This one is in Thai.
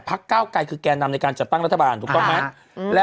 พักเก้าไกรคือแกนำในการจัดตั้งรัฐบาล